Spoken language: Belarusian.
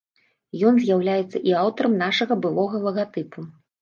Ён з'яўляецца і аўтарам нашага былога лагатыпу.